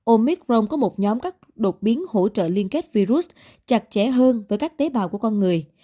omicron có một nhóm các đột biến hỗ trợ liên kết virus chặt chẽ hơn với các tế bào của con người